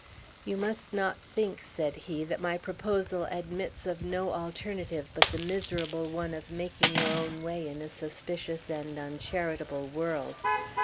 "You must not think," said he, "that my proposal admits of no alternative but the miserable one of making your own way in a suspicious and uncharitable world.